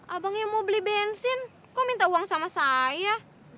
abangnya mau beli bensin kok minta uang sama saya